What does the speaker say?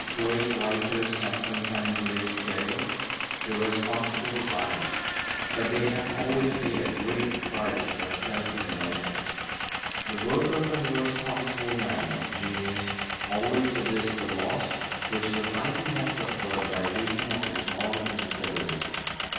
Great writers have sometimes lived careless, irresponsible lives, but they have always paid a great price for self indulgence. The work of an irresponsible man of genius always suggests the loss which society has suffered by reason of his moral instability.